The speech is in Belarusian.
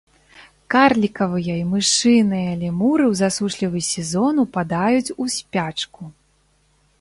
Карлікавыя і мышыныя лемуры ў засушлівы сезон упадаюць у спячку.